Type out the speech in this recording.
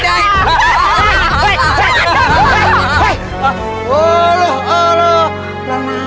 jangan kurang ajar